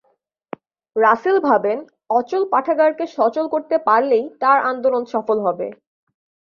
রাসেল ভাবেন, অচল পাঠাগারকে সচল করতে পারলেই তাঁর আন্দোলন সফল হবে।